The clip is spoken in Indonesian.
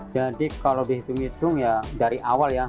jadi kalau dihitung hitung ya dari awal ya